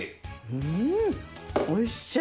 うんおいしい！